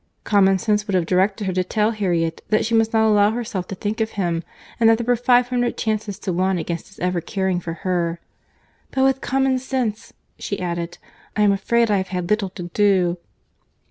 Common sense would have directed her to tell Harriet, that she must not allow herself to think of him, and that there were five hundred chances to one against his ever caring for her.—"But, with common sense," she added, "I am afraid I have had little to do."